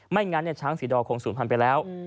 ไม่งั้นช้างศรีดอคงสูญพันธุ์ไปแล้ว